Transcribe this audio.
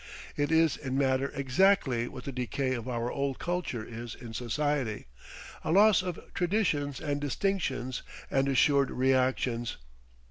It is in matter exactly what the decay of our old culture is in society, a loss of traditions and distinctions and assured reactions.